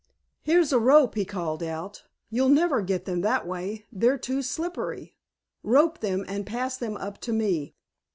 "Here's a rope," he called out; "you'll never get them that way, they're too slippery. Rope them and pass them up to me."